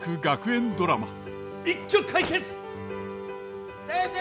一挙解決！